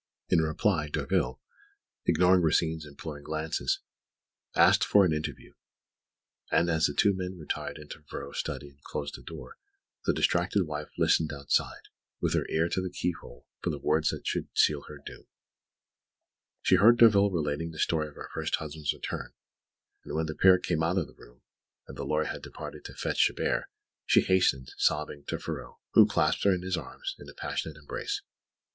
In reply, Derville, ignoring Rosine's imploring glances, asked for an interview; and as the two men retired into Ferraud's study and closed the door, the distracted wife listened outside, with her ear to the keyhole, for the words that should seal her doom. She heard Derville relating the story of her first husband's return; and when the pair came out of the room, and the lawyer had departed to fetch Chabert, she hastened, sobbing, to Ferraud, who clasped her in his arms in a passionate embrace.